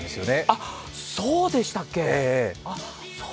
あっ、そうでしたっけ？